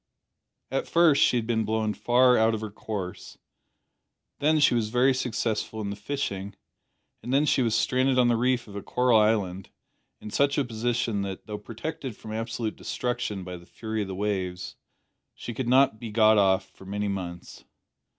At first she had been blown far out of her course; then she was very successful in the fishing, and then she was stranded on the reef of a coral island in such a position that, though protected from absolute destruction by the fury of the waves, she could not be got off for many months.